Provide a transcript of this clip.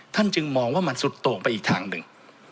จึงมองว่ามันสุดโต่งไปอีกทางหนึ่ง